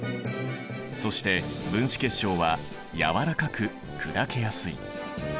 そして分子結晶は軟らかく砕けやすい。